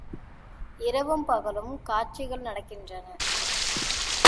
இரவும் பகலும் காட்சிகள் நடக்கின்றன!